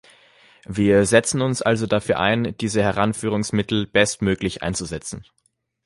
Wir setzen uns also dafür ein, diese Heranführungsmittel bestmöglich einzusetzen.